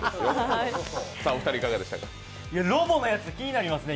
ロボのやつ気になりますね。